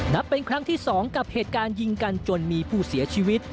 นับเป็นครั้งที่๒กับเหตุการณ์ยิงกันจนมีผู้เสียชีวิต